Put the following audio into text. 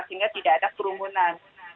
sehingga tidak ada kerumunan